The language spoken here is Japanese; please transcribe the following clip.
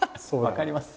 分かります。